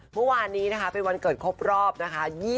เมื่อวานนี้นะคะเป็นวันเกิดครบรอบนะคะ